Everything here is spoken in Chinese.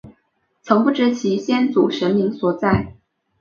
曾不知其先祖神灵所在。